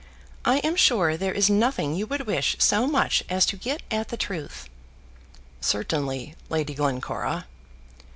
I am sure there is nothing you would wish so much as to get at the truth." "Certainly, Lady Glencora."